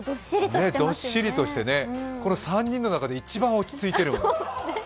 どっしりとしてね、この３人の中で一番落ち着いてる。